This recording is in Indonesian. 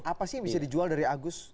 apa sih yang bisa dijual dari agus